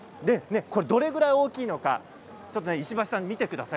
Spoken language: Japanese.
どれぐらい大きいのか石橋さん、見てください。